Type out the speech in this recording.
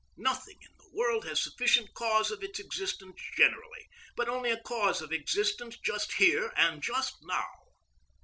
Nothing in the world has a sufficient cause of its existence generally, but only a cause of existence just here and just now.